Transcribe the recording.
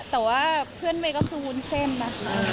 แต่ว่าเพื่อนเมย์ก็คือวุ้นเส้นนะคะ